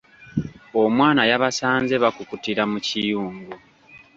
Omwana yabasanze bakukutira mu kiyungu.